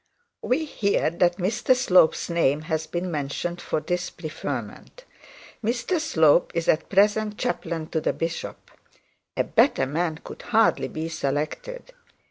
'We hear that Mr Slope's name has been mentioned for this preferment. Mr Slope is at present chaplain to the bishop. A better man could hardly be selected.